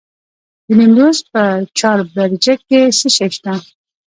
د نیمروز په چاربرجک کې څه شی شته؟